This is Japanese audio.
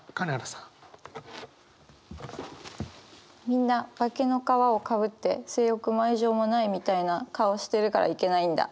「みんな化けの皮を被って性欲も愛情もないみたいな顔してるからいけないんだ」。